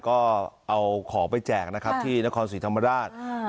ก็เอาของไปแจกนะครับที่นครศรีธรรมราช